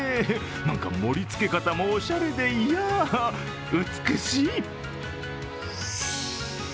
盛りつけ方もおしゃれでいや、美しい。